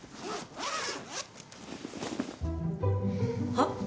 はっ？